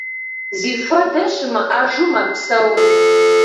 Зихуэдэ щымыӏэжу мэпсэу.